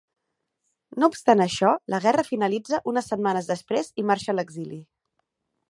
No obstant això, la guerra finalitza unes setmanes després i marxa a l'exili.